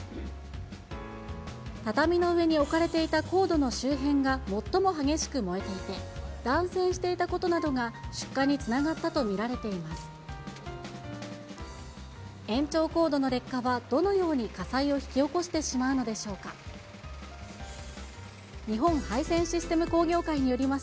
畳の上に置かれていたコードの周辺が最も激しく燃えていて、断線していたことなどが出火につながったと見られています。